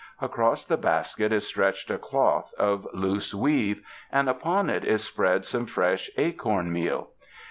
Across the basket is stretched a cloth of loose weave, and upon it is spread some fresh acorn meal.